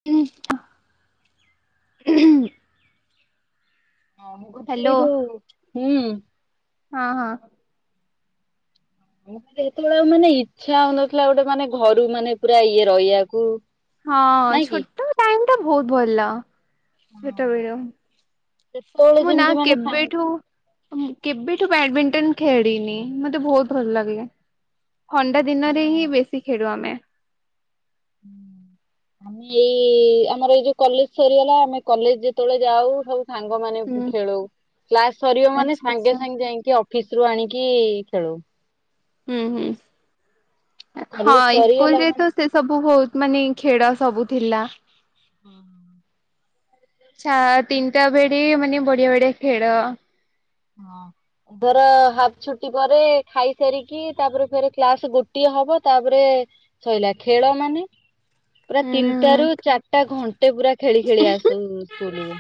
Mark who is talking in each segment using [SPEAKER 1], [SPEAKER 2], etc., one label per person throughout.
[SPEAKER 1] [inaudible]
[SPEAKER 2] ଏଇ
[SPEAKER 1] ହ୍ୟାଲୋ
[SPEAKER 2] ଯୋଉ ହୁଁ।
[SPEAKER 1] ହଁ ହଁ।
[SPEAKER 2] ମୋତେ ଏତେବେଳେ ଆଉ ମାନେ ଇଚ୍ଛା ହଉନଥିଲା ଗୋଟେ ମାନେ ଘରୁ ମାନେ ପୁରା ଇଏ ରହିବାକୁ।
[SPEAKER 1] ହଁ ଅଁ
[SPEAKER 2] ନାଇଁ କି?
[SPEAKER 1] ଛୋଟ ଟାଇମ୍ ଟା ବହୁତ ଭଲ ଛୋଟବେଳୁ
[SPEAKER 2] ସେତେବେଳେ
[SPEAKER 1] ମୁଁ ନା
[SPEAKER 2] ଯେମିତି ମାନେ ସାଙ୍ଗ
[SPEAKER 1] କେବେଠୁ। ଉଁ କେବେଠୁ ବ୍ୟାଡମିଣ୍ଟନ ଖେଳିିନି ମତେ ବହୁତ ଭଲ ଲାଗିଲେ। ଥଣ୍ଡା ଦିନରେ ହିଁ
[SPEAKER 2] ହଁ।
[SPEAKER 1] ବେଶୀ ଖେଳୁ ଆମେ। [inaudible]
[SPEAKER 2] ଏଇ ଆମର ଏଇ ଯୋଉ କଲେଜ ସରିଗଲା ଆମେ କଲେଜ ଯେତେବେଳେ ଯାଉ ସ ସାଙ୍ଗ ମାନ
[SPEAKER 1] ହୁଁ
[SPEAKER 2] ଖେଳୁ କ୍ଲାସ ସରିବ ମାନେ
[SPEAKER 1] ଆଚ୍ଛା ଆଚ୍ଛା।
[SPEAKER 2] ସାଙ୍ଗେ ସାଙ୍ଗେ ଯଇଁକି। ଅଫିସରୁ ଆଣିକି ଖେଳୁ।
[SPEAKER 1] ହୁଁ ହୁଁ
[SPEAKER 2] କଲେଜ
[SPEAKER 1] ହଁ
[SPEAKER 2] ସରିଗଲା
[SPEAKER 1] ଇସ୍କୁଲ୍ ଯେହେତୁ। ସେ ସବୁ ବହୁତ ମାନେ ଖେଳ ସବୁ ଥିଲା।
[SPEAKER 2] ମାନେ
[SPEAKER 1] ଛା ତିନିଟା ଭେଡି ମାନେ ବଢିଆ ବଢିଆ ଖେଳ।
[SPEAKER 2] ହଁ। ଧର ହାଫ ଛୁଟି ପରେ ଖାଇସାରିକି ତାପରେ ଫ କ୍ଲାସ ଗୋଟିଏ ହବ ତାପରେ। ଶଇଲା ଖେଳ ମାନେ। ପୁରା
[SPEAKER 1] ହୁଁ
[SPEAKER 2] ତିନିଟା ରୁ ଚାରିଟା ଘଣ୍ଟେ ପୁରା ଖେଳି ଖେଳି ଆସୁ ସ୍କୁଲ ରୁ।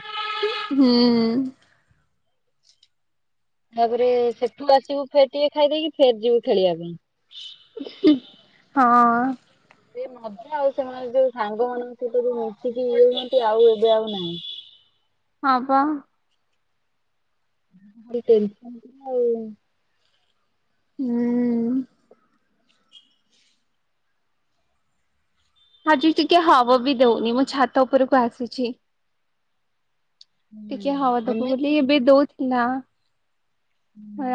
[SPEAKER 1] ହୁଁ।
[SPEAKER 2] ତାପରେ ସେଠୁ ଆସିବୁ ଫେର ଟିକେ ଖାଇଦେଇକି ଫେର ଯିବୁ ଖେଳିବା ପାଇଁ।
[SPEAKER 1] ହୁଁ ହଁ।
[SPEAKER 2] ସେ ମଜା ଆଉ ସେମାନେ ଯୋଉ ସାଙ୍ଗ ମଙ୍କ ସହିତ ଯୋଉ ମିଶିକି ଇଏ ହୁଅନ୍ତି ଆଉ ଏବେ ଆଉ ନାହିଁ।
[SPEAKER 1] ହଁ ପା।
[SPEAKER 2] ଭାରି ଟେନ୍ସନ୍ ଆଉ।
[SPEAKER 1] ହୁଁ ଉଁ ଆଜି ଟିକେ ହାୱା ବି ଦଉନି ମୁଁ ଛାତ ଉପରକୁ ଆସିଛି।
[SPEAKER 2] ହୁଁ
[SPEAKER 1] ଟିକେ ହାୱା ଦବ
[SPEAKER 2] ଆମେ
[SPEAKER 1] ବୋଲି
[SPEAKER 2] ଠିକ
[SPEAKER 1] ଏବେ ଦଉଥିଲା।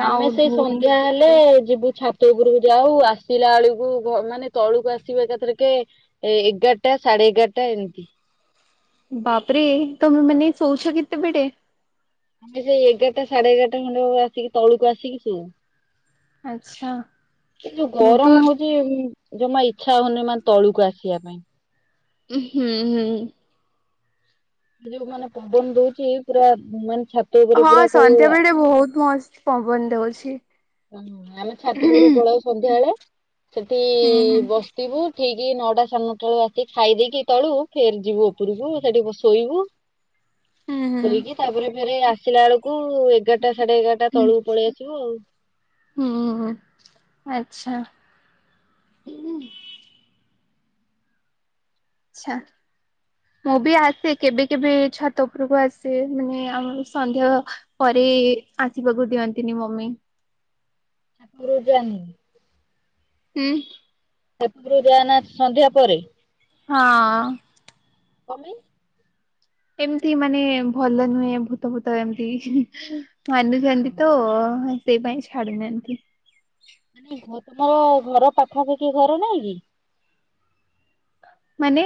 [SPEAKER 2] ଆମେ
[SPEAKER 1] ଆଉ
[SPEAKER 2] ସେଇ
[SPEAKER 1] ଦଉନି।
[SPEAKER 2] ସନ୍ଧ୍ୟା ହେଲେ ଯିବୁ ଛାତ ତ ଉପରକୁ ଯାଉ ଆସିଲା ବେଳକୁ ମାନେ ତଳକୁ ଆସିବେ ଏକାଥର କେ ଏ ଏଗାରଟା ସାଢେ ଏଗାରଟା ଏମିତି।
[SPEAKER 1] ବାପରେ ତମେ ମାନେ ଶୋଉଛ କେତେବେଡେ।
[SPEAKER 2] ଆମେ ସେଇ ଏଗାରଟା ସାଢେ ଏଗାରଟା ଖଣ୍ଡେ ଆସିକି ତଳକୁ ଆସିକି ସୋଉ।
[SPEAKER 1] ଆଛା।
[SPEAKER 2] ଏଇ ଯୋଉ ଗରମ ହଉଚି ଜମା ଇଚ୍ଛା ହଉନି ମାନେ ତଳୁକୁ ଆସିବା ପାଇଁ।
[SPEAKER 1] ଉ ହୁଁ ହୁଁ।
[SPEAKER 2] ଯୋଉ ମାନେ ପବନ ଦଉଚି ପୁରା ମାନେ ଛା
[SPEAKER 1] ହଁ ସନ୍ଧ୍ୟା ବେଳେ ଟିକେ ବହୁତ ମସ୍ତ ପବନ ଦଉଚି।
[SPEAKER 2] ହଁ ଆମେ ଛାତ ଉପରୁ ପଳଉ ସନ୍ଧ୍ୟାବେଳେ ସେଠି
[SPEAKER 1] ହୁଁ ହୁଁ
[SPEAKER 2] ବସିଥିବୁ ତ ଉଠିକି ନଅଟା ସଡେ ନଟା ବେଳୁ ଆସିକି ଖାଇ ଦେଇକି ତଳୁ ଫେର ଯିବୁ ଉପରକୁ ସେଠି ଶୋଇବୁ।
[SPEAKER 1] ହୁଁ
[SPEAKER 2] ଶୋଇକି ତାପରେ ଫେରେ ଆସିଲା ବେଳକୁ ଏଗାରଟା ସାଢେ ଏଗାରଟା ତଳକୁ ପଳେଇ ଆସିବୁ ଆଉ।
[SPEAKER 1] ଉ ହୁଁ ଆଚ୍ଛା। ଉଁ ଆଚ୍ଛା। ମୁଁ ବି ଆସେ କେବେ କେବେ ଛାତ ଉପୁରକୁ ଆସେ ମାନେ ଆମର ସନ୍ଦେହ ପରେ ଆସିବାକୁ ଦିଅନ୍ତିନି ମମି
[SPEAKER 2] ରୋଜାଆନି
[SPEAKER 1] ହୁଁ।
[SPEAKER 2] ସେପରୁ ଯାଏନା ସନ୍ଧ୍ୟା ପରେ
[SPEAKER 1] ହଁ।
[SPEAKER 2] କମି
[SPEAKER 1] ଏମିତି ମାନେ ଭଲ ନୁହେଁ ଭୂତ ଭୂତ ଏମିତି ମାନୁଚନ୍ତି ତ ସେଇ ପାଇଁ ଛାଡୁନାହାନ୍ତି।
[SPEAKER 2] ମାନେ ତମର ଘର ପାଖାପାଖି ଘର ନାଇଁ କି?
[SPEAKER 1] ମାନେ?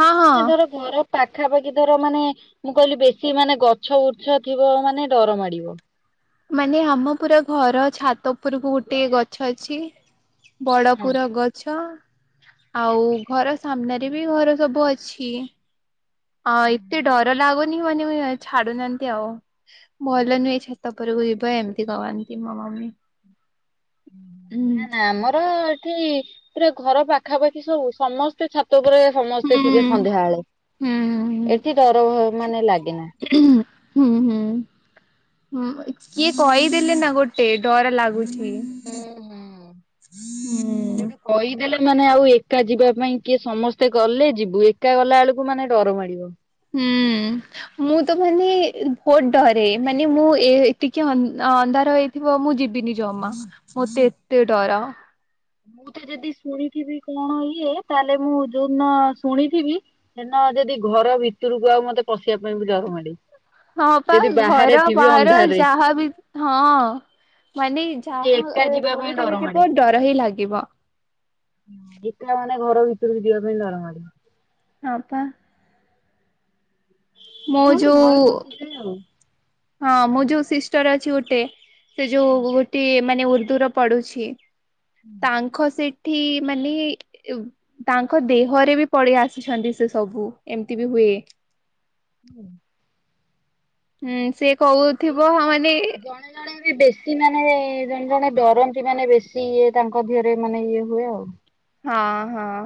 [SPEAKER 1] ହଁ ହଁ
[SPEAKER 2] ଏ ଧର ଘର ପାଖାପାଖି ଧର ମାନେ ମୁଁ କହିଲି ବେଶୀ ମାନେ ଗଛ ବୃଛ ଥିବ ମାନେ ଡର ମାଡିବ।
[SPEAKER 1] ମାନେ ଆମ ପୁରା ଘର ଛାତ ଉପରକୁ ଗୋଟେ ଗଛ ଅଛି। ବଡ
[SPEAKER 2] ହଁ।
[SPEAKER 1] ପୁରା ଗଛ ଆଉ ଘର ସାମ୍ନାରେ ବି ଘର ସବୁ ଅଛି। ହଁ ଏତେ ଡର ଲାଗୁନି ମାନେ ଛାଡୁନାହାନ୍ତି ଆଉ ଭଲ ନୁହେଁ ଛାତ। ଉପରକୁ ଯିବା ଏମିତି କହନ୍ତି ମୋ ମମି। ହୁଁ
[SPEAKER 2] ନା ନା ଆମର ନ୍ତି ପୁରା ଘର ପାଖା ପାଖି ସବୁ ସମସ୍ତେ ଛାତ ଉପରେ ସମସ୍ତେ
[SPEAKER 1] ହୁଁ
[SPEAKER 2] ଥିବେ ସନ୍ଧ୍ୟାବେଳେ ଏଠି
[SPEAKER 1] ହୁଁ
[SPEAKER 2] ଡର ଭୟ ମାନେ ଲାଗେନା।
[SPEAKER 1] ହୁଁ ହୁଁ। ହୁଁ କିଏ କହିଦେଲେ ନା ଗୋଟେ ଡର ଲାଗୁଚି।
[SPEAKER 2] ହୁଁ ହୁଁ।
[SPEAKER 1] ହୁଁ।
[SPEAKER 2] ଗୋଟେ କହିଦେଲେ ମାନେ ଆଉ ଏକା ଯିବା ପାଇଁ, କିଏ ସମସ୍ତେ ଗଲେ ଯିବୁ ଏକା ଗଲା ବେଳକୁ ମାନେ ଡର ମାଡିବ।
[SPEAKER 1] ହୁଁ। ମୁଁ ତ ମାନେ ବହୁତ ଡରେ ମାନେ ମୁଁ ଏ ଟିକେ ଅ ଅନ୍ଧାର ହେଇ ଥିବ ମୁଁ ଯିବିନି ଜମା ମତେ ଏତେ ଡର।
[SPEAKER 2] ମୁଁ ତ ଯଦି ଶୁଣିଥିବି କଣ ଇଏ ତାହେଲେ ମୁଁ ଯୋଉଦିନ ଶୁଣିଥିବି ସେନା ଯଦି ଘର ଭିତରକୁ ଆଉ ମତେ ପଶିବା ପାଇଁ ବି ଡର ମାଡ଼େ।
[SPEAKER 1] ହଁ ପା ଘର ବାହାର
[SPEAKER 2] ଅନ୍ଧାରରେ
[SPEAKER 1] ଯାହାବି ହଁ ମାନେ
[SPEAKER 2] ମତେ
[SPEAKER 1] ଯାହା
[SPEAKER 2] ଏକା
[SPEAKER 1] ଏ
[SPEAKER 2] ଯିବା ପାଇଁ
[SPEAKER 1] ଯୋଉଠି
[SPEAKER 2] ଡର
[SPEAKER 1] ବି
[SPEAKER 2] ମାଡେ।
[SPEAKER 1] ଯିବ ଡର ହିଁ ଲାଗିବ।
[SPEAKER 2] ହୁଁ ଏକା ମାନେ ଘର ଭିତରକୁ ଯିବା ପାଇଁ ଡର ମାଡିବ।
[SPEAKER 1] ହପା। ମୋ
[SPEAKER 2] ମାନେ ଗୋଟେ ଭୟ
[SPEAKER 1] ଯୋଉ
[SPEAKER 2] ପଶିଯାଏ ଆଉ।
[SPEAKER 1] ହଁ ମୋ ଯୋଉ ସିଷ୍ଟର ଅଛି ଗୋଟେ ସେ ଯୋଉ। ମାନେ ଉର୍ଦ୍ଦୁର ପଢୁଛି ତାଙ୍କ ସେଠି ମାନେ। ତାଙ୍କ ଦେହରେ ବି ପଳେଇ ଆସିଛନ୍ତି ସେ ସବୁ। ଏମତି ବି ହୁଏ।
[SPEAKER 2] ହୁଁ
[SPEAKER 1] ହୁଁ ସେ କହୁଥିବ
[SPEAKER 2] ହେଇଠ ତ
[SPEAKER 1] ମାନେ
[SPEAKER 2] ଜଣେ। ଜଣେ ବି ବେଶୀ ମାନେ ଜଣେ ଜଣେ ଡରନ୍ତି ମାନେ ବେଶୀ ଇଏ, ତାଙ୍କ ଦେହରେ ମାନେ ଇଏ ହୁଏ ଆଉ।
[SPEAKER 1] ହଁ ହଁ।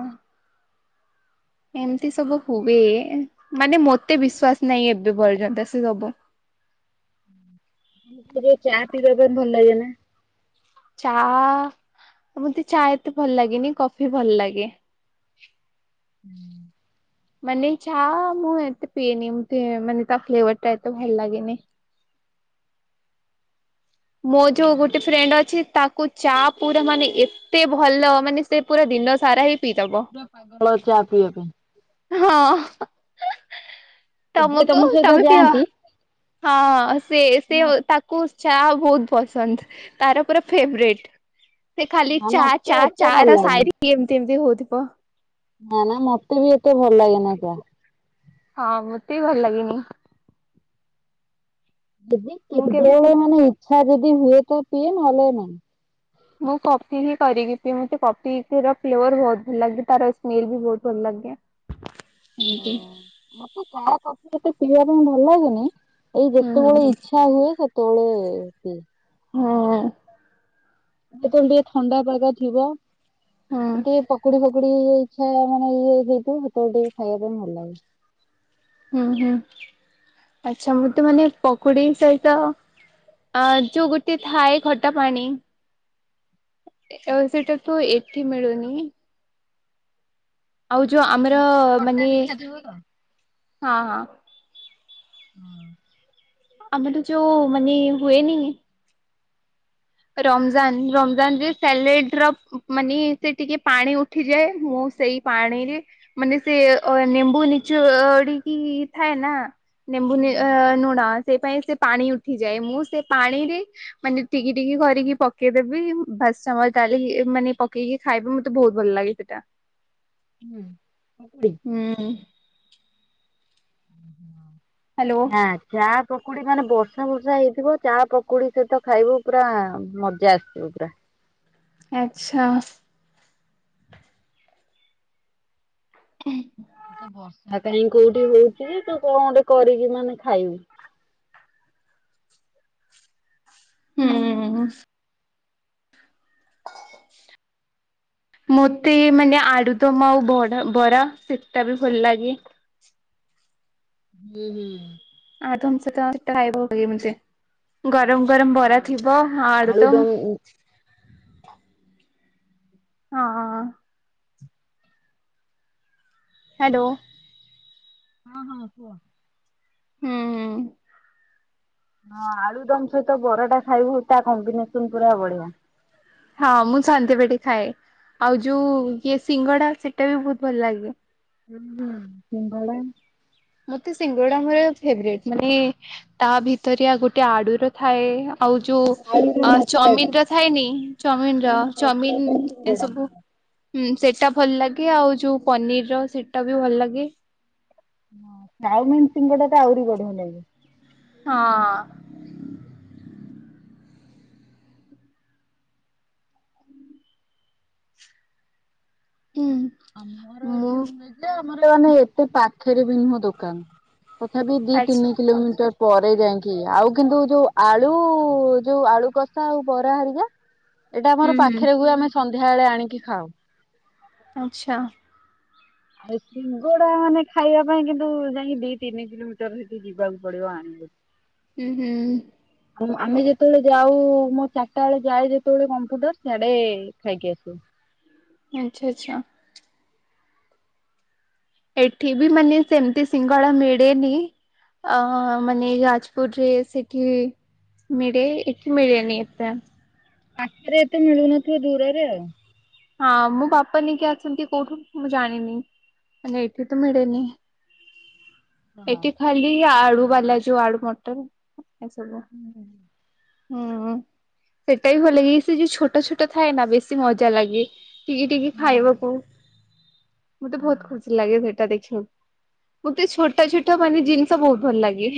[SPEAKER 1] ଏମିତି ସବୁ ହୁଏ ମାନେ ମତେ ବିଶ୍ବାାସ ନାହିଁ ଏବେ ପର୍ଯ୍ୟନ୍ତ ସେ ସବୁ।
[SPEAKER 2] ଚା ପିଇବା ପାଇଁ ଭଲ ଲାଗେ ନା।
[SPEAKER 1] ଚା ମତେ, ଚା ଏତେ ଭଲ ଲାଗେନି, କଫି ଭଲ ଲାଗେ।
[SPEAKER 2] ହୁଁ।
[SPEAKER 1] ମାନେ ଚାହା ମୁଁ, ଏତେ ପିଏନି ମାନେ ତା ଫ୍ଲେଭର ଟା ଏତେ ଭଲ ଲାଗେନି। ମୋ ଯୋଉ ଗୋଟେ ଫ୍ରେଣ୍ଡ୍ ଅଛି ତାକୁ ଚା ପୁରା ମାନେ ଏ ଏତେ ଭଲ ମାନେ ସେ ପୁରା ଦିନ ସାରା ହିଁ ପିଇଦବ।
[SPEAKER 2] ପୁରା ପାଗଳ ଚା ପିଇବା ପାଇଁ।
[SPEAKER 1] ହଁ ହା ହା।
[SPEAKER 2] ପାଇଁ। ଯିଏ
[SPEAKER 1] ତମକୁ
[SPEAKER 2] ତମ ସହିତ
[SPEAKER 1] ତମେ ପିଅ
[SPEAKER 2] ଯାଆନ୍ତି।
[SPEAKER 1] ହଁ ସେ ସେ
[SPEAKER 2] ନା
[SPEAKER 1] ତାକୁ ଚା ହା। ବହୁତ ପସନ୍ଦ ତାର ପୁରା ଫେବରେଟ ସେ ଖାଲି ଚା
[SPEAKER 2] ମତେ
[SPEAKER 1] ଚା
[SPEAKER 2] ଏତେ
[SPEAKER 1] ଚା
[SPEAKER 2] ଭଲ
[SPEAKER 1] ର
[SPEAKER 2] ଲାଗେନି
[SPEAKER 1] ସାୟରି। ଏମିତି ଏମିତି ହଉଥିବ।
[SPEAKER 2] ନା ନା ମତେ ବି ଏତେ ଭଲ ଲାଗେନା ଚା।
[SPEAKER 1] ହଁ ମତେ ବି ଭଲ ଲାଗେନି।
[SPEAKER 2] ଯଦି
[SPEAKER 1] ମୁଁ କେବେ
[SPEAKER 2] କେତେବେଳେ
[SPEAKER 1] କେବେ
[SPEAKER 2] ମାନେ ଇଚ୍ଛା ଯଦି ହୁଏ, ତ ପିଏ ନହଲେ ନାହିଁ।
[SPEAKER 1] ମୁଁ କଫି ହିଁ କରିକି ପି ମତେ କଫି ର ଫ୍ଲେବର। ବହୁତ ଭଲ ଲାଗେ। ତାର ସ୍ମେଲ ବି ବହୁତ ଭଲ ଲାଗେ।
[SPEAKER 2] ଓ
[SPEAKER 1] ଏମତି
[SPEAKER 2] ମତେ ଚା କଫି ଏତେ ପିଇବା ପାଇଁ ଭଲ ଲାଗେନି। ଏଇ
[SPEAKER 1] ହୁଁ ହୁଁ
[SPEAKER 2] ଯେତେବେଳେ
[SPEAKER 1] ହୁଁ
[SPEAKER 2] ଇଚ୍ଛା ହୁଏ। ସେତେବେଳେ ପିଏ।
[SPEAKER 1] ହୁଁ।
[SPEAKER 2] ଯେତେବେଳେ ଟିକେ ଥଣ୍ଡା ପାଗ ଥିବ
[SPEAKER 1] ହୁଁ
[SPEAKER 2] ଟିକେ ପକୁଡି ଫକୁଡି ଇଛା ମାନେ ଇଏ ହେଇଥିବ ସେତେବେଳେ ଟିକେ ଖାଇବା ପାଇଁ ଭଲ ଲାଗେ।
[SPEAKER 1] ହୁଁ ହୁଁ ଆଚ୍ଛା ମୁଁ ତ ମାନେ ପକୁଡି ସହିତ ଆ ଯୋଉ ଗୋଟେ ଥାଏ ଖଟା ପାଣି ଏ ସେଇଟା ତୁ ଏଠି ମିଳୁନି। ଆଉ ଯୋଉ ଆମର
[SPEAKER 2] ମାନେ ଟିକେ ଖଟା
[SPEAKER 1] ମାନେ
[SPEAKER 2] ମିଠା ଥିବ ତ।
[SPEAKER 1] ହଁ ହଁ
[SPEAKER 2] ହଁ।
[SPEAKER 1] ଆମଠୁ ଯୋଉ ମାନେ ହୁଏନି ରମଜାନ ରମଜାନ ଯେ ସାଲେଡ ର ମାନେ ସେ ଟିକେ ପାଣି ଉ ଉଠି ଯାଏ ମୁଁ ସେଇ ପାଣିରେ ମାନେ ସେ ନିମ୍ୱୁ ନିଚୋଡିକି ଥାଏ ନା
[SPEAKER 2] ହୁଁ
[SPEAKER 1] ନେମ୍ବୁ
[SPEAKER 2] ହୁଁ
[SPEAKER 1] ନୁଣା ସେଇ ପାଇଁ ସେ ପାଣି ଉଠିଯାଏ ମୁଁ ସେ ପାଣିରେ ମାନେ ଟିକେ ଟିକି କରରିକି ପକେଇଦେବି ଭସ ମାନେ ପକେଇକି ଖାଇବି ମତେ ବହୁତ ଭଲ ଲାଗେ ସେଇଟା।
[SPEAKER 2] ହୁଁ, ହଁ କୁଡେ?
[SPEAKER 1] ହୁଁ। ହ୍ୟାଲୋ
[SPEAKER 2] ଆଁ। ଚା ପକୁଡି ମାନେ ବର୍ଷା ଫର୍ଷା ହେଇଥିବ ଚା ପକୁଡି ସହିତ ଖାଇବ ପୁରା ମଜା ଆସିଥିବ ପୁରା।
[SPEAKER 1] ଆଛା। କି
[SPEAKER 2] ବର୍ଷା କାଇହିଁ କୋଉଠି ହଉଛି ତୁ କଣ ଗୋଟେ କରିକି ମାନେ ଖାଇବୁ।
[SPEAKER 1] ହୁଁ। ହ ମତେ ମାନେ ଆଡୁଦମା ଆଉ ବ ବରା ସେତଟା ବି ଭଲ ଲାଗେ।
[SPEAKER 2] ହୁଁ ହୁଁ।
[SPEAKER 1] ଆ ତମ ସତ ଖାଇବମ ଗରମ ଗରମ ବରା
[SPEAKER 2] ହଁ
[SPEAKER 1] ଥିବ ଆ ଆଡୁଦମ।
[SPEAKER 2] ଆଳୁଦମ୍ ହଁ
[SPEAKER 1] ହଁ ହଁ। ହାଲୋ।
[SPEAKER 2] ହଁ କୁହ?
[SPEAKER 1] ହୁଁ ହୁଁ।
[SPEAKER 2] ହଁ ଆଳୁ ଦମ ସହିତ ବରାଟା ଖାଇବୁ ତା କମ୍ବିନେସନ ପୁରା ବଢିଆ।
[SPEAKER 1] ହଁ ମୁଁ ଶନ୍ତି ବାଡ଼ି ଖାଏ। ଆଉ ଯୋଉ ଇଏ ସିଙ୍ଗଡା ସେଟା ବି ବୋହୁତ୍ ଭଲ ଲାଗେ।
[SPEAKER 2] ହୁଁ ହୁଁ, ସିଙ୍ଗଡା
[SPEAKER 1] ମତେ ସିଙ୍ଗଡା ମୋର ଫେବରେଟ୍, ମାନେ ତା ଭିତରେ ଆ ଗୋଟେ ଆଡୁର ଥାଏ। ଆଉ
[SPEAKER 2] ଆଳୁର
[SPEAKER 1] ଯୋଉ
[SPEAKER 2] ମସଲାଟା।
[SPEAKER 1] ଚାଉମିନ ର ଥାଏନି ଚାଉମିନ ର ଚଉମିନ ଏ ସବୁ ହୁଁ ସେଇଟା ଭଲ ଲାଗେ। ଆଉ ଯୋଉ ପନିର ସେଇଟା ବି ଭଲ ଲାଗେ।
[SPEAKER 2] ହ ଚାଉମିନ୍ ସିଙ୍ଗଡା ଟା ଆହୁରି ବଢିଆ ଲାଗେ।
[SPEAKER 1] ହଁ। ହୁଁ।
[SPEAKER 2] ଆମର ଏଠି ଆମର ମାନେ ଏତେ ପାଖରେ ବି ନୁହଁ ଦୋକାନ। ତଥାପି ଦି ତିନି
[SPEAKER 1] ଆଚ୍ଛା
[SPEAKER 2] କିଲୋମିଟର। ପରେ ଯାଇକି, ଆଉ କିନ୍ତୁ ଯୋଉ ଆଳୁ ଯୋଉ ଆଳୁ କଷା ଆଉ ବରା ହାରିକା ଏଇଟା
[SPEAKER 1] ହୁଁ
[SPEAKER 2] ଆମର
[SPEAKER 1] ହୁଁ
[SPEAKER 2] ପାଖରେ ହୁଏ ଆମେ ସନ୍ଧ୍ୟାବେଳେ ଆଣିକି ଖାଉ।
[SPEAKER 1] ଆଚ୍ଛା।
[SPEAKER 2] ଆଉ ସିଙ୍ଗଡା ମାନେ ଖାଇବା ପାଇଁ କିନ୍ତୁ ଯାଇକି ଦି ତିନି କିଲୋମିଟର ସେଠି ଯିବାକୁ ପଡିବ ଆଣିବା ଆଣିବା। ହ
[SPEAKER 1] ହୁଁ ହୁଁ।
[SPEAKER 2] ଆମେ ଯେତେବେଳେ ଯାଉ ମୋ ଚାରିଟା ବେଳେ ଯାଏ ଯେତେବେଳେ କମ୍ପୁଟର, ସିଆଡେ ଖାଇକି ଆସୁ।
[SPEAKER 1] ଆଛା ଆଛା। ଏଠି ବି ମାନେ ସେମିତି ସିଙ୍ଗଡା ମିଳେନି ଅ ମାନେ ଯାଜପୁର୍ ରେ ସେଠି ମିଳେ ଏଠି ମିଳେନି ଏତେ।
[SPEAKER 2] ପାଖରେ ଏତେ ମିଳୁନଥିବ ଦୂରରେ ଆଉ।
[SPEAKER 1] ହଁ ମୋ ବାପା ନେଇକି ଅଛନ୍ତି କୋଉଠୁ ମୁଁ ଜାଣିନି ମାନେ ଏଇଠି ତ ମିଳେନି।
[SPEAKER 2] ହଁ।
[SPEAKER 1] ଏଠି ଖାଲି ଆଳୁ ବାଲା ଯୋଉ ଆଳୁ ମଟର ଏ ସବୁ।
[SPEAKER 2] ହୁଁ।
[SPEAKER 1] ହୁଁ ସେଟା ବି ଭଲ ଲାଗେ, ସେ ଯୋଉ ଛୋଟ ଛୋଟ ଥାଏ ନା ବେଶୀ ମଜା ଲାଗେ। ଟିକେ ଟିକେ
[SPEAKER 2] ହୁଁ ହୁଁ
[SPEAKER 1] ଖାଇବାକୁ ମତେ ବୋହୁତ୍
[SPEAKER 2] ହଁ।
[SPEAKER 1] ଖୁସି ଲାଗେ ସେଟା ଦେଖି ବାକୁ। ମତେ ଛୋଟ ଛୋଟ ମାନେ ଜିନିଷ ବୋହୁତ୍ ଭଲ ଲାଗେ।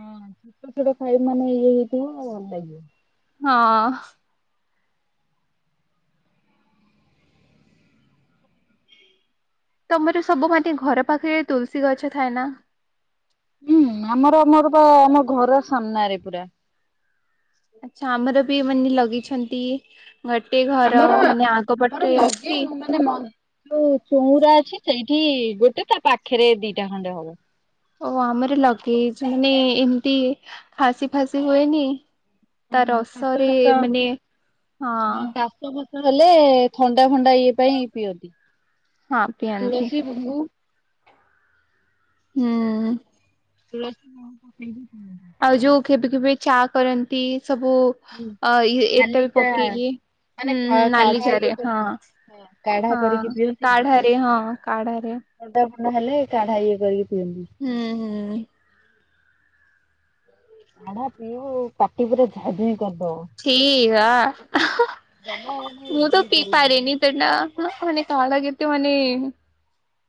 [SPEAKER 2] ହଁ ଛୋଟ ଛୋଟ ଖାଇ ମାନେ ଇଏ ହେଇଥିବ ଆଉ ଭଲ ଲାଗିବ।
[SPEAKER 1] ହଁ। ତମର ସବୁ ମାନେ ଘର ପାଖରେ ତୁଳସୀ ଗଛ ଥାଏ ନା?
[SPEAKER 2] ହୁଁ ଆମର ଆମର ବା ଆମ ଘର ସାମ୍ନାରେ ପୁରା।
[SPEAKER 1] ଆଛା ଆମର ବି ମାନେ ଲଗେଇଛନ୍ତି ଗୋଟେ ଘର ମାନେ ଆଗ ପଟରେ ଅଛି
[SPEAKER 2] ନାଁମ ଯୋଉ ଚଉୁରା ଅଛି, ସେଇଠି ଗୋଟେ ତା ପାଖରେ ଦିଟା ଖଣ୍ଡେ ହବ।
[SPEAKER 1] ଓ ଆମର ଲଗେଇଛୁ ମାନେ ଏମିତି ଖାସି ଫାସି ହୁଏନି ତ
[SPEAKER 2] ହଁ କାଶ
[SPEAKER 1] ରସରେ
[SPEAKER 2] ଫାଶ
[SPEAKER 1] ମାନେ ହଁ।
[SPEAKER 2] କାଶ। ଫାସ ହେଲେ ଥଣ୍ଡା, ଫଣ୍ଡା ଇଏ ପାଇଁ ପିଅନ୍ତି।
[SPEAKER 1] ହଁ ପିଅନ୍ତି।
[SPEAKER 2] ହବୁ
[SPEAKER 1] ହୁଁ।
[SPEAKER 2] ତୁଳସ [unintelligible]
[SPEAKER 1] ଆଉ ଯୋଉ କେବେ କେବେ ଚା କରନ୍ତି ସବୁ
[SPEAKER 2] ହୁଁ। ନାଲି
[SPEAKER 1] ଏଟା ବି
[SPEAKER 2] ଚା
[SPEAKER 1] ପକେଇକି।
[SPEAKER 2] ମାନେ
[SPEAKER 1] ହୁଁ,
[SPEAKER 2] କା
[SPEAKER 1] ହୁଁ
[SPEAKER 2] କାଢା ଇଏ
[SPEAKER 1] ନାଲିଚାରେ ହଁ।
[SPEAKER 2] କରିକି। କାଢା
[SPEAKER 1] ହଁ
[SPEAKER 2] କରିକି ପିଅନ୍ତିନି
[SPEAKER 1] କାଢାରେ ହଁ କାଢାରେ।
[SPEAKER 2] ଥଣ୍ଡା, ପଣ୍ଡା ହେଲେ କାଢା ଇଏ କରିକି ପିଅନ୍ତି।
[SPEAKER 1] ହୁଁ, ହୁଁ।
[SPEAKER 2] କାଢା ପିଉ ବୁ ପାଟି ପୁରା ଝାଇଁ ଝାଇଁ କରିଦବ।
[SPEAKER 1] ଛି, ଆ,
[SPEAKER 2] ଜମା ମାନେ
[SPEAKER 1] ମୁଁ ତ
[SPEAKER 2] ପିଇ
[SPEAKER 1] ପି
[SPEAKER 2] ପାରିବୁନି
[SPEAKER 1] ପାରେନି, ସେଟା ମାନେ କାଢା କେତେ ମାନେ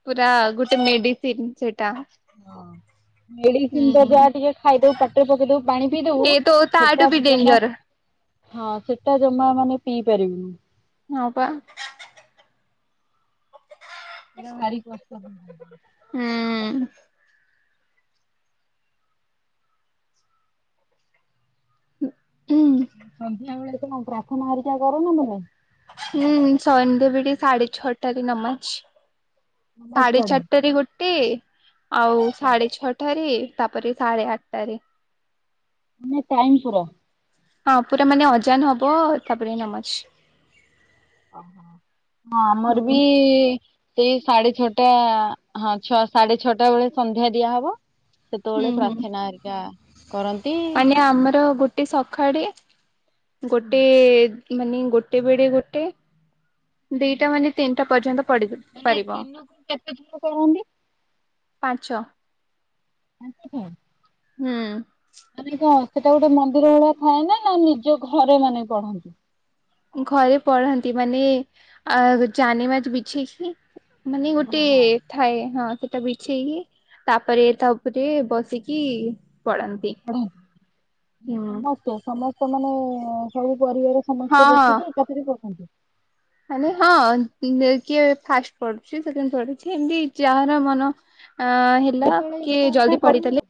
[SPEAKER 1] ପୁରା ଗୋଟେ ମେଡିସିନ ସେଟା।
[SPEAKER 2] ହଁ। ମେଡିସିନ ତ ଯାହା
[SPEAKER 1] ହୁଁ
[SPEAKER 2] ଟିକେ ଖାଇଦବୁ ପାଟିରେ ପକେଇ ଦବୁ ପାଣି ପିଇ ଦବୁ
[SPEAKER 1] ଏ ତ ତାଠୁ
[SPEAKER 2] ସେଟା
[SPEAKER 1] ବି
[SPEAKER 2] ଜମା
[SPEAKER 1] ଡେଞ୍ଜର
[SPEAKER 2] ହଁ ସେଟା ଜମା ମାନେ ପିଇ ପାରିବୁନି।
[SPEAKER 1] ହଁ ପା।
[SPEAKER 2] ସେଟା ଭାରି କଷ୍ଟ।
[SPEAKER 1] ହୁଁ। ଉୁଁହୁଁ,।
[SPEAKER 2] ସନ୍ଧ୍ୟା ବେଳେ କଣ ପ୍ରାର୍ଥନା ହରିକା କରଉ ନା ନାହିଁ।
[SPEAKER 1] ହୁଁ ସନ୍ଧ୍ୟାବେଳେ ଠିକ ସାଢେ ଛଅଟାରେ ନମାଜ।
[SPEAKER 2] ନମାଜ
[SPEAKER 1] ସାଢେ
[SPEAKER 2] ପଢ
[SPEAKER 1] ଚାରିଟା ଗୋଟେ, ଆଉ
[SPEAKER 2] ହଁ
[SPEAKER 1] ସାଢେ ଛଅ ଟା ରେ ତାପରେ ସାଢ଼େ ଆଠଟାରେ।
[SPEAKER 2] ମାନେ ଟାଇମ ପୁରା।
[SPEAKER 1] ହଁ ପୁରା ମାନେ ଅଜାନ ହବ ତାପରେ ନମାଜ।
[SPEAKER 2] ଓହୋ, ହଁ
[SPEAKER 1] ହୁଁ
[SPEAKER 2] ଆମର ବି ସେଇ ସାଢେ ଛଅଟା ହଁ ଛ ସାଢେ ଛଅଟା ବେଳେ ସନ୍ଧ୍ୟା ଦିଆହବ
[SPEAKER 1] ହୁଁ
[SPEAKER 2] ସେତେବେଳେ ପ୍ରାର୍ଥନା ଆରିକା କରନ୍ତି
[SPEAKER 1] ଆଜ୍ଞା, ଆମର ଗୋଟେ ସକାଳେ ଗୋଟେ ମାନେ ଗୋଟେ ବେଳେ ଗୋଟେ ଦିଟା ମାନେ ତିନିଟା ପର୍ଯ୍ୟନ୍ତ ପଢିବେ
[SPEAKER 2] ମାନେ ଦିନକୁ କେତେ ଥର ପଢନ୍ତି?
[SPEAKER 1] ପାଞ୍ଚ।
[SPEAKER 2] ପାଞ୍ଚ ଟାଇମ୍?
[SPEAKER 1] ହୁଁ।
[SPEAKER 2] ହଁ ସେଟା ଗୋଟେ ମନ୍ଦିର ଭଳିଆ ଥାଏ ନା ନା ନିଜ ଘରେ ମାନେ ପଢନ୍ତି?
[SPEAKER 1] ଘରେ ପଢନ୍ତି ମାନେ ଆ [unintelligible] ବିଛେଇକି ମାନେ
[SPEAKER 2] ହଁ
[SPEAKER 1] ଗୋଟେ
[SPEAKER 2] ହଁ।
[SPEAKER 1] ଥାଏ ହଁ ସେଟା ବିଛେଇକି ତାପରେ ତା ଉପରେ ବସିକି ପଢ଼ନ୍ତି।
[SPEAKER 2] ପଢ଼ନ୍ତି ଆମେ ସମସ୍ତେ ସମସ୍ତେ ମାନେ ସବୁ ପରିବାର ସମସ୍ତେ
[SPEAKER 1] ହଁ ହଁ
[SPEAKER 2] ବସିକି ଚାକିରି କରୁଛନ୍ତି?
[SPEAKER 1] ମାନେ ହଁ କିଏ ଫାଷ୍ଟ ପଢୁଛି କିଏ ସେକେଣ୍ଡ ପଢୁଛି ଏମ୍ତି ଯାହାର ମନ ଅଁ ହେଲା,
[SPEAKER 2] ଯେତେବେଳେ ଇଚ୍ଛା
[SPEAKER 1] କିଏ ଜଲ୍ଦି
[SPEAKER 2] ହେଲା ପଢିବୁ
[SPEAKER 1] ପଢିଦେଲେ।